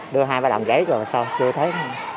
đưa hai ba lòng giấy rồi sao chưa thấy